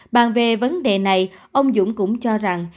bàn về vấn đề này ông dũng cũng cho rằng